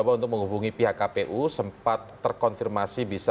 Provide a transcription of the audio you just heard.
dari dua ribu lima belas ke dua ribu dua puluh v satu ratus lima belas perunding elaboransinya